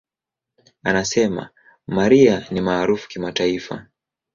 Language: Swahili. Anasema, "Mariah ni maarufu kimataifa.